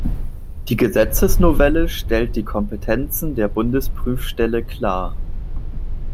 Die Gesetzesnovelle stellte die Kompetenzen der Bundesprüfstelle klar.